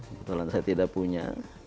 kebetulan saya tidak punya